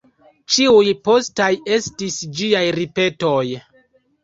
Ĉiuj postaj estis ĝiaj ripetoj.